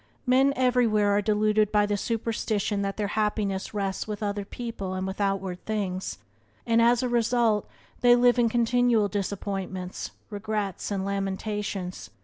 Men everywhere are deluded by the superstition that their happiness rests with other people and with outward things, and, as a result, they live in continual disappointments, regrets, and lamentations.